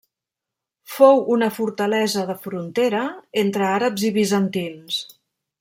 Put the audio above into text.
Fou una fortalesa de frontera entre àrabs i bizantins.